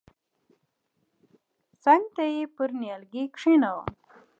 څنگ ته يې پر نيالۍ کښېښوه.